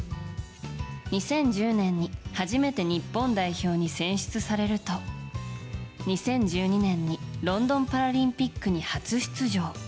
２０１０年に初めて日本代表に選出されると２０１２年にロンドンパラリンピックに初出場。